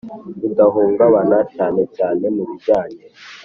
Budahungabana cyane cyane mu bijyanye